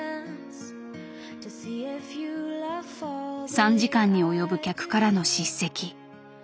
３時間に及ぶ客からの叱責。